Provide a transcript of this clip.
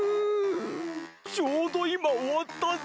ちょうどいまおわったぜ。